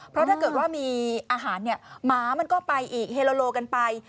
เพราะถ้าเกิดมีอาหารหมาก็ไปอีกเฮลโลโลกันไป